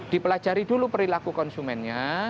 dipelajari dulu perilaku konsumennya